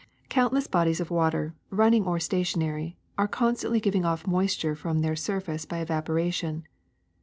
^^ Countless bodies of water, running or stationary, are constantly giving oif moisture from their sur face by evaporation.